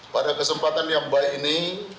pada kesempatan yang baik ini